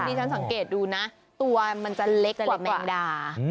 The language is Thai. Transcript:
ที่ฉันสังเกตดูนะตัวมันจะเล็กกว่าแมงดา